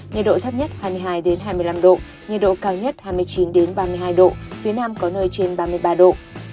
nhiệt độ thấp nhất hai mươi hai hai mươi năm độ nhiệt độ cao nhất hai mươi chín ba mươi hai độ phía nam có nơi trên ba mươi ba độ